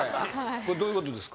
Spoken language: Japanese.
これどういうことですか？